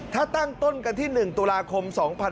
ถ้าตั้งต้นกันที่๑ตุลาคม๒๕๖๒